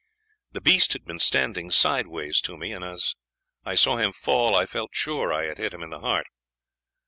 The beast had been standing sideways to me, and as I saw him fall I felt sure I had hit him in the heart.